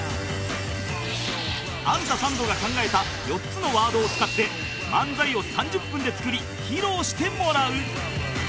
アンタサンドが考えた４つのワードを使って漫才を３０分で作り披露してもらう